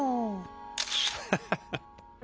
アハハハ。